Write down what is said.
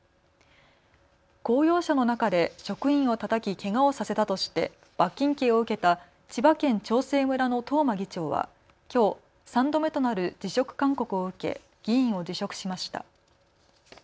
公用車の中で職員をたたきけがをさせたとして罰金刑を受けた千葉県長生村の東間議長はきょう３度目となる辞職勧告を受け議員を辞職しました。